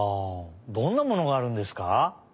どんなものがあるんですか？